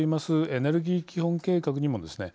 エネルギー基本計画にもですね